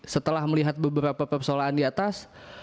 setelah melihat beberapa persoalan di atas